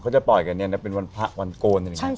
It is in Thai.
เขาจะปล่อยกันเนี่ยเป็นวันพระวันโกลนี่ไง